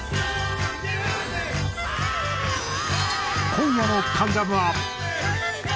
今夜の『関ジャム』は。